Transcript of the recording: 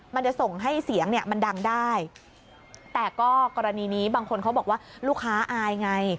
มันจะส่งให้เสียงเนี่ยมันดังได้แต่ก็กรณีนี้บางคนเขาบอกว่าลูกค้าอายไง